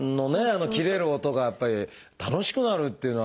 切れる音がやっぱり楽しくなるっていうのは。